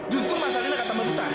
justru masalah lila kata melissa